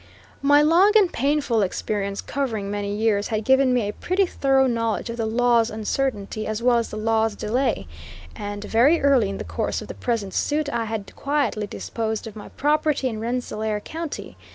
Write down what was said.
My long and painful experience, covering many years, had given me a pretty thorough knowledge of the law's uncertainty, as well as the law's delay, and very early in the course of the present suit, I had quietly disposed of my property in Rensselaer County.